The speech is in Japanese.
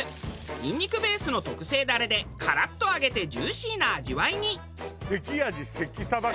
ニンニクベースの特製ダレでカラッと揚げてジューシーな味わいに。